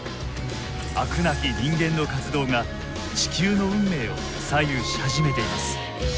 飽くなき人間の活動が地球の運命を左右し始めています。